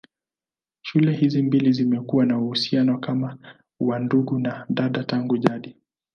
Shule hizi mbili zimekuwa na uhusiano kama wa ndugu na dada tangu jadi.